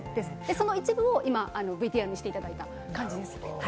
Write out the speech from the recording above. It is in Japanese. その一部を今ＶＴＲにしていただいた感じです。